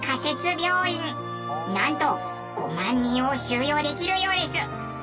なんと５万人を収容できるようです。